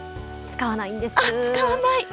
使わない？